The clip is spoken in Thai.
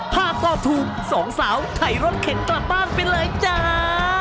๕ตอบถูก๒สาวไข่รสเข็นกลับบ้านไปเลยจ้า